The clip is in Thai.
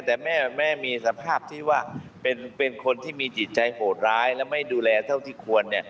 แต่แม่มีสภาพที่ว่าเป็นคนที่มีจิตใจโหดร้ายและไม่ดูแลเท่าที่ควร